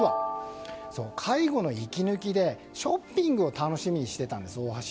介護の息抜きでショッピングを楽しみにしていたんです